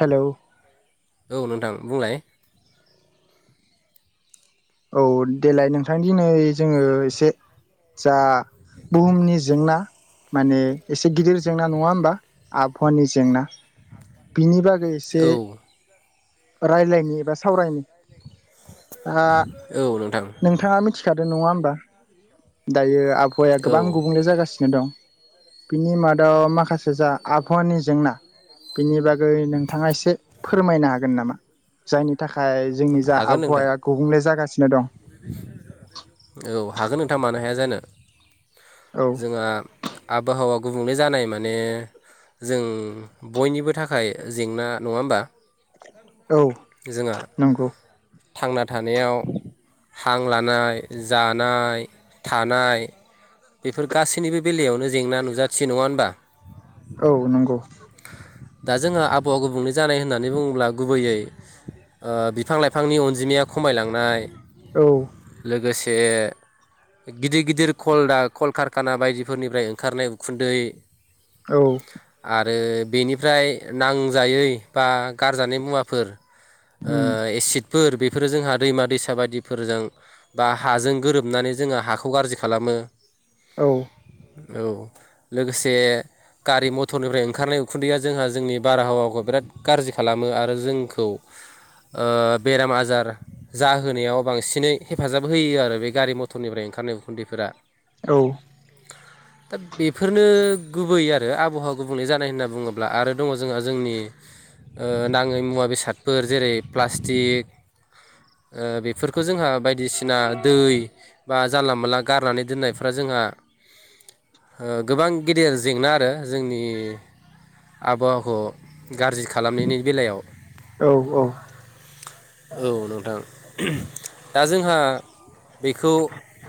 Hello औ नोंथां बुंलाय औ देलाय नोंथांनि दिनै जोङो एसे जा बुहुमनि जेंना माने एसे गिदिर जेंना नङा होमबा आबहावानि जेंना बिनि बा गै इसे औ राय्लायनि एबा सावरायनि आ औ नोंथां आरो नङा होमबा दायो आबहावाया औ गोबां गुबुंले जागासिनो दं बिनि मादाव माखासे जा आबहावानि जेंना बिनि बा गै नोंथाङा एसे फोरमायनो हागोन नामा जायनि थाखाय जोंनि जा हागोन नोंथां आबहावाया गुबुंले जागासि नो दं। औ हागोन नोंथाङ मानो हाया जानो औ जोंहा आबहावा गुबुंले जानाय माने जों बयनिबो थाखाय जेंना नंङा होमबा औ जोंहा नंगौ थांना थानायाव हां लानाय जानाय थानाय बेफोर गासैनिबो बेलायावनो जेंना नुजाथियो नंङा होनबा औ नंगौ दा जोंङो आवा गुबुंले जानाय होननानै बुंङोब्ला गुबैयै ओ बिफां लाइफांनि अनजिमाया खमायलांनाय औ लोगोसे गिदिर गिदिर खलदा कलकारखाना बायदिफोरनिफ्राय ओंखारनाय उखुन्दै औ आरो बेनि ओमफ्राय नांजायै बा गारजानाय मुवाफोर ओ उम एसिडफोर बे बेफोरो जोंहा दैमा दैसा बायदिफोरजों बा हाजों गोरोबनानै जोंङो हाखौ गाज्रि खालामो औ औ लोगोसे गारि मथरनिफ्राय ओंखारनाय उखुन्दैया जोंहा जोंनि बारहावाखौ बिराद गाज्रि खालामो आरो जोंखौ बेराम आजार जाहोनायाव बांसिनै हेफाजाब होयो आरो बे गारि मथरनिफ्राय ओंखारनाय उखुन्दैफोरा औ दा बेफोरनो गुबै आरो आबहावा गुबुंलै जानाय होनना बुंङोब्ला आरो दंङ जोंहा जोंनि ओ नाङै मुवा बेसादफोर जेरै प्लास्टिक ओ बेफोरखौ जोंहा बायदिसिना दै बा जानला मोनानला गारनानै दोननायफ्रा जोंहा ओ गोबां गिदिर जेंना आरो जोंनि आबहावाखौ गाज्रि खालामनायनि बेलायाव औ औ [inaudible] औ नोंथां दा जोंहा बेखौ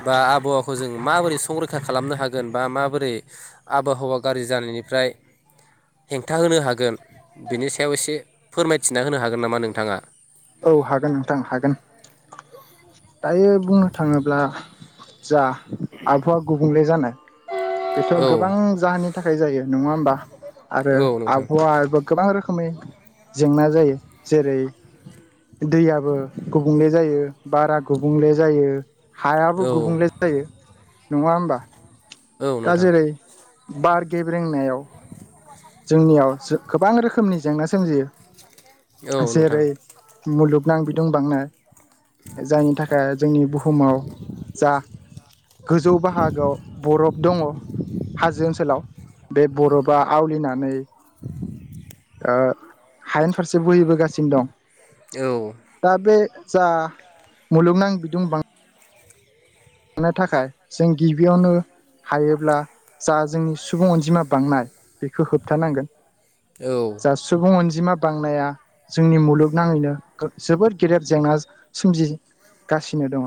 बा आबहावाखौ जों माबोरै संरैखा खालामनो हागोन बा माबोरै आबहावा गाज्रि जानायनिफ्राय हेंथा होनो हागोन बिनि सायाव एसे फोरमायथिना होनो हागोन नामा नोंथाङा औ हागोन नोंथां हागोन दायो बुंनो थांङोब्ला जा आबहावा गुबुंले जानो बेफोर औ गोबां जाहोनानि थाखाय जायो नंङा होमबा आरो औ नोंथां आबहावा गोबां रोखोमै जेंना जायो जेरै दैयाबो गुबुंले जायो बारा गुबुंले जायो हायाबो औ गुबुंले जायो नङा होमबा औ दा नोंथां जेरै बार गेब्रेंनायाव जोंनियाव जो गोबां रोखोमनि जेंना सोमजियो औ नोंथां जेरै मुलुग नांबिदुं बांनाय जायनि थाखाय जोंनि बुहुमाव जा गोजौ बाहागोआव बरफ दङ हाजो ओनसोलाव बे बरफा आवलिना नै [unintelligible] ओ हायेन फारसे बोहैबोगासिनो दं। औ दा बे जा मुलुगनां बिदुं बां नो थाखाय जों गिबियावनो हायोब्ला जा जोंनि सुबुं अनजिमा बांनाय बेखौ होबथानांगोन। औ जा सुबुं अनजिमा बांनाया जोंनि मुलुगनाङैनो जोबोद गेदेर जेंना सोमजिगासिनो दङ।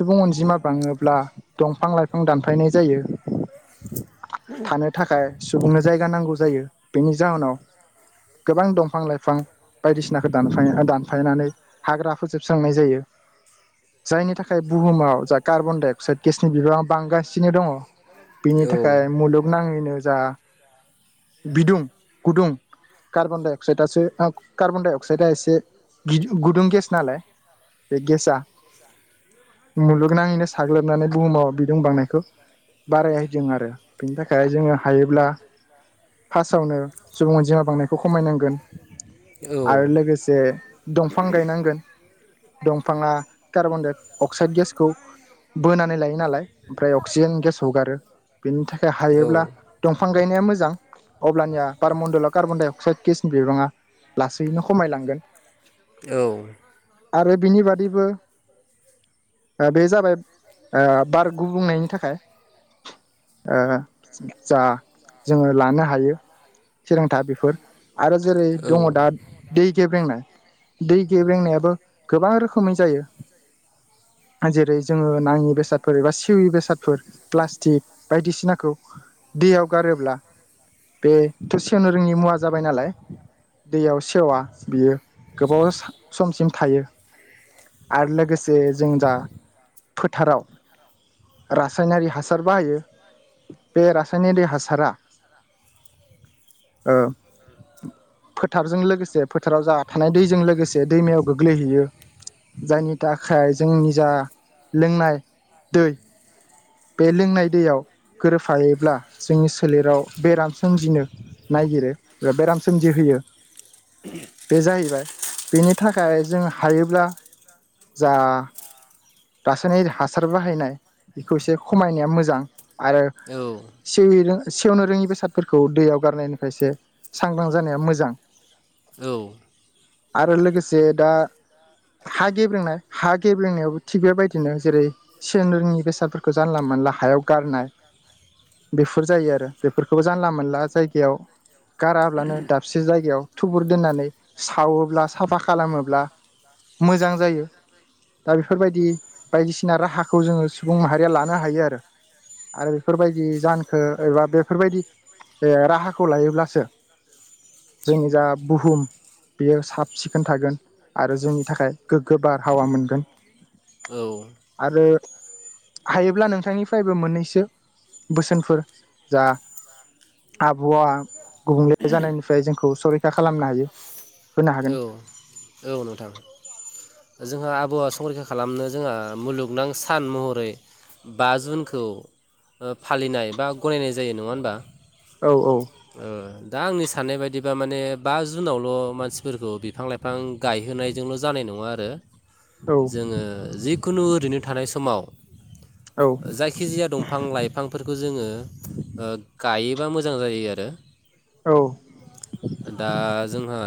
सुबुं अनजिमा बांङोब्ला दंफां-लाइफां दानफायनाय जायो। थानो थाखाय सुबुंनो जायगा नांगौ जायो। बेनि जाहोनाव गोबां दंफां लाइफां बायदिसिनाखौ दानफाय दानफायनानै हाग्रा फोजोबस्रांनाय जायो। जायनि थाखाय बुहुमाव जा कार्बन डाइ अक्साइद गेसनि बिबाङा बांगासिनो दंङ। बिनि औ थाखाय मुलुगनांङैनो जा बिदुं गुदुं कार्बन डाइ अक्साइदासो कार्बन डाइ अक्साइदआ एसे गुदुं गेस नालाय बे गेसा मुलुगनांङैनो साग्लोबनानै बुहुमाव बिदुं बांनायखौ बारायहैदों आरो बिनि थाखाय जोंङो हायोब्ला फार्स्टआवनो सुबुं अनजिमा बांनायखौ खमायनांगोन। औ आरो लोगोसे दंफां गायनांगोन। दंफांङा कार्बन डाय अक्साइड गेसखौ बोनानै लायो नालाय ओमफ्राय अक्सिजेन गेस हगारो। बेनि थाखाय हायोब्ला दंफां गायनाया मोजां अब्लनिया बारमण्डला कार्बन डाइ अक्सायड गेसनि बिबांङा लासैनो खमायलांगोन। औ आरो बिनि बादैबो ओ बे जाबाय ओ बार गुबुंनायनि थाखाय ओ जा जोंङो लानो हायो थिरांथा बेफोर आरो जेरै दंङ दा दै गेब्रेंनाय दै गेब्रेंनायाबो गोबां रोखोमै जायो। जेरै जोंङो नांङि बेसादफोर एबा सेवि बेसादफोर प्लास्टिक बायदिसिनाखौ दैयाव गारोब्ला बेथ' सेवनो रोंङिनि मुवा जाबाय नालाय दैयाव सेवा बियो गोबाव सा समसिम थायो आरो लोगोसे बे जों जा फोथाराव रासायनारि हासार बाहायो बे रासायनारि हासारा ओ फोथारजों लोगोसे फोथाराव जा थानाय दैजों लोगोसे दैमायाव गोग्लैहैयो जायनि था खाय जोंनि जा लोंनाय दै बे लोंनाय दैयाव गोरोबोफायोब्ला जोंनि सोलेराव बेराम सोमजिनो नागिरो बा बेराम सोमजिहोयो बे जाहैबाय बेनि थाखाय जों हायोब्ला जा रासायनारिक हासार बाहायनाय बेखौ एसे खमायनाया मोजां। आरो औ सेविनो सेवनो रोङि बेसादफोरखौ दैयाव गारनायनिफ्रायसो सांग्रां जानाया मोजां। आरो लोगोसे दा हा गेब्रेंनाय हा गेब्रेंनायावबो थिग बेबायदिनो जेरै सेवनो रोङिनि बेसादफोरखौ जानला मोनला हायाव गारनाय बेफोर जायो आरो बेफोरखौबो जानला मोनला जायगायाव गाराब्लानो दाबसे जायगायाव थुबुर दोननानै सावोब्ला साफा खालामोब्ला मोजां जायो। दा बेफोरबायदि बायदिसिना राहाखौ जोंङो सुबुं माहारिया लानो हायो आरो आरो बेफोरबायदि जाहोनखो एबा बेफोरबायदि राहाखौ लायोब्लासो जोंनि जा बुहुम बेयो साब सिखोन थागोन आरो जोंनि थाखाय गोग हावा मोनगोन औ आरो हायोब्ला नोंथांनिफ्रायबो मोननैसो बोसोनफोर जा आबहावा गुबुंले जानायनिफ्राय जोंखौ संरै रैखा खालामनो हायो। होनो हागोन औ औ नोंथां जोंहा आबहावा संरैखा खालामनो जोंहा मुलुगनां सान महरै बा जुनखौ फालिनाय बा गनायनाय जायो नंङा होमबा। औ औ दा आंनि साननाय बायदिबा माने बा जुनावल' मानसि फोरखौ बिफां लाइफां गायहोनायजोंल' जानाय नङा आरो औ जोङो। जिखुनु ओरैनो थानाय समाव औ जायखिजाया दंफां लाइफांफोरखौ जोङो ओ गायोबा मोजां जायो आरो। औ दा जोंहा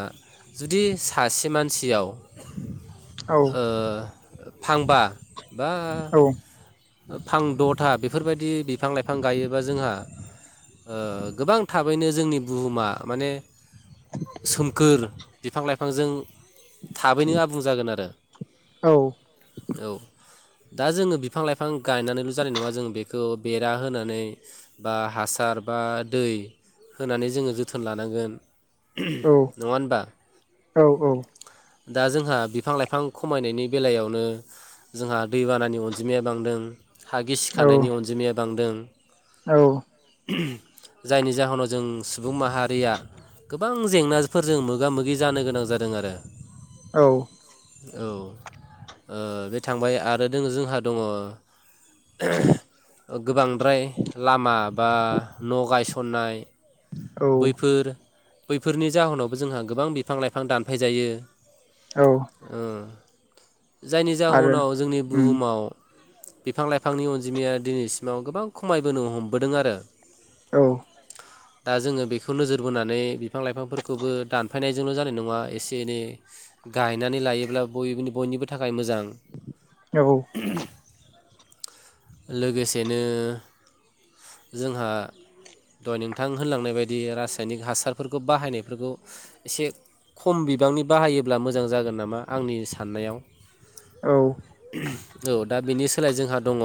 जुदि सासे मानसियाव ओ फांबा बा औ फां द'था बेफोरबायदि बिफां लाइफां गायोबा जोंहा ओ गोबांथाब बैनो जोंनि बुहुमा माने सोमखोर बिफां लाइफांजों थाबैनो आबुं जागोन आरो औ औ औ दा जोङो बिफां लाइफां गायनानैल' जानाय नङा जों बेखौ बेरा होनानै बा हासार बा दै होनानै जोङो जोथोन लानांगोन। नङा होनबा। औ औ दा जोंहा बिफां लाइफां खमायनायनि बेलायावनो जोंहा दैबानानि अनजिमाया बांदों। हा गिसिखानायनि अनजिमाया बांदों। [unintelligible] औ जायनि जाहोनाव जों सुबुं माहारिया गोबां जेंनाफोरजों मोगा मोगि जानो गोनां जादों आरो औ औ ओ बे थांबाय आरो दङो जोंहा दङ गोबांद्राय लामा बा न' गायस खननाय औ बैफोर बैफोरनि जाहोनावबो जोंहा गोबां बिफां लाइफां दानफाय जायो औ ओ जायनि आरो जाहोनाव जोंनि उम बुहुमाव बिफां लाइफांनि अनजिमाया दिनैसिमाव गोबां खमायबोनो हमबोदों आरो औ दा जोङो बेखौ नोजोर बोनानै बिफां लाइफांफोरखौबो दानफायनायजोंल' जानाय नङा एसे एनै गायनानै लायोब्ला ब बयनिबो थाखाय थाखाय मोजां औ लोगोसेनो जोंहा [inaudible] नोंथां होनलांनाय बायदि रासायनिक हासारफोरखौ बाहायनायफोरखौ एसे खम बिबांनि बाहायोब्ला मोजां जागोन नामा आंनि साननायाव औ औ दा बेनि सोलाय जोंहा दङ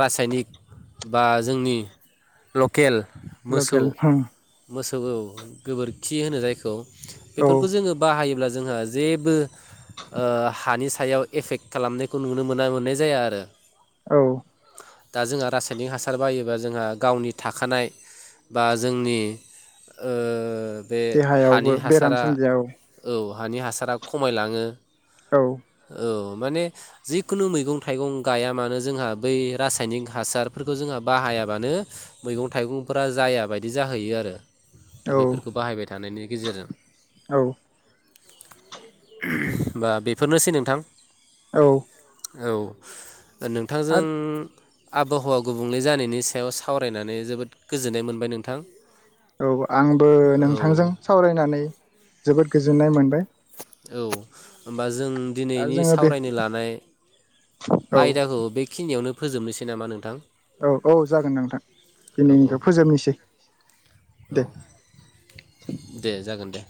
रासायनिक बा जोंनि लकेल मोसौ लकेल होम मोसौ गोबोरखि होनो जायखौ औ बेफोरखौ जोङो बाहायोब्ला जोंहा जेबो हानि सायाव एफेक्ट खालामनायखौ नुनो मोननाय जाया आरो औ दा जोंहा रासायनिक हासार बायोबा जोंहा गावनि थाखानाय बा जोंनि बे हानि देहायावबो बेराम हासारा सोमजियो औ हानि हासारा खमायलाङो औ औ माने जिखुनु मैगं थाइगं गाया मानो जोंहा बै रासायनिक हासारफोरखौ जोंहा बाहायाबानो मैगं थाइगंफोरा जाया बायदि जाहैयो आरो दा औ बैफोरखौ बाहायबाय थानायनि गेजेरजों औ होमबा बेफोरनोसै नोंथां औ औ नोंथांजों आरो आबहावा गुबुंले जानायनि सायाव सावरायनानै जोबोद गोजोननाय मोनबाय नोंथां औ आंबो औ नोंथांजों सावरायनानै जोबोद गोज जोननाय मोनबाय औ होमबा ज जों आरो दिनैनि जोङो बे सावरायनो लानाय औ आयदाखौ बेखिनियावनो फोजोबनोसै नामा नोंथां औ औ जागोन नोंथां औ औ दिनैनिखौ फोजोबनिसै औ दे दे जागोन दे